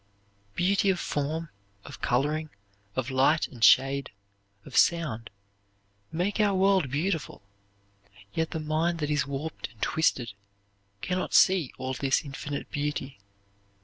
Beauty of form, of coloring, of light and shade, of sound, make our world beautiful; yet the mind that is warped and twisted can not see all this infinite beauty.